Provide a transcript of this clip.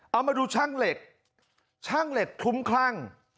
เอามาดูช่างเหล็กช่างเหล็กคลุ้มคลั่ง